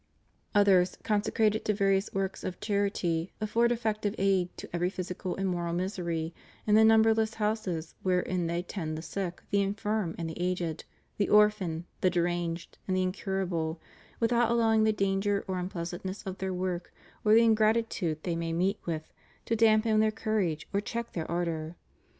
Others, consecrated to various works of charity, afford effective aid to every physical and moral misery in the numberless houses wherein they tend the sick, the infirm and the aged, the orphan, the deranged, and the incurable, without allowing the danger or unpleasantness of their work or the ingratitude they may meet with to dampen their courage or check their ardor.